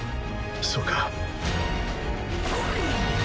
そうか。